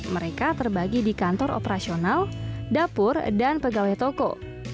mereka terbagi di kantor operasional dapur dan pegawai toko